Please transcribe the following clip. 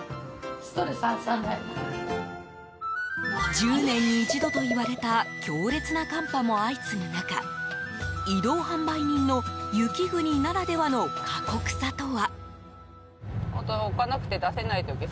１０年に一度といわれた強烈な寒波も相次ぐ中移動販売人の雪国ならではの過酷さとは。